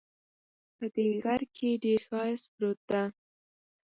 په دې غره کې ډېر ښایست پروت ده